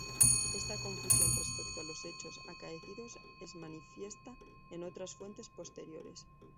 Esta confusión respecto a los hechos acaecidos es manifiesta en otras fuentes posteriores.